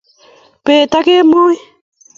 bet ak kemboi